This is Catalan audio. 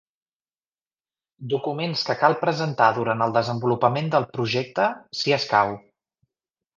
Documents que cal presentar durant el desenvolupament del projecte, si escau.